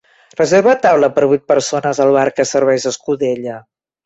Reserva taula per a vuit persones al bar que serveix escudella